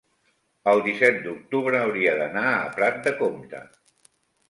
el disset d'octubre hauria d'anar a Prat de Comte.